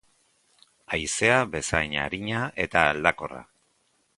Haizea bezain arina eta aldakorra.